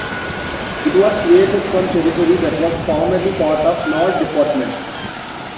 It was created from territory that was formerly part of Nord Department.